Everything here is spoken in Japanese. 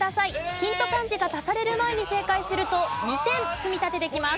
ヒント漢字が足される前に正解すると２点積み立てできます。